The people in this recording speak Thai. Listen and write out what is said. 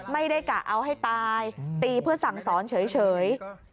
กะเอาให้ตายตีเพื่อสั่งสอนเฉย